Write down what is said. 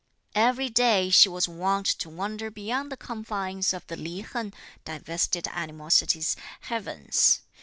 "Every day she was wont to wander beyond the confines of the Li Hen (divested animosities) heavens.